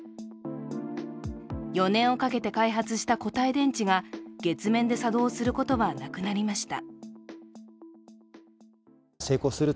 ４年をかけて開発した固体電池が月面で作動することはなくなりました。